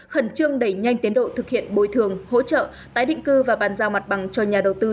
khẩn trương đẩy nhanh tiến độ thực hiện bối thường hỗ trợ tái định cư và bàn giao mặt bằng cho nhà đầu tư